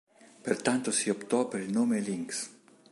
Pertanto si optò per il nome Lynx.